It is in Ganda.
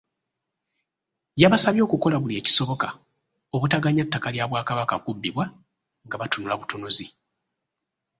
Yabasabye okukola buli ekisoboka obutaganya ttaka lya Bwakabaka kubbibbwa nga batunula butunuzi.